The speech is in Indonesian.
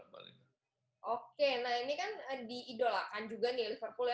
oke nah ini kan diidolakan juga nih liverpool ya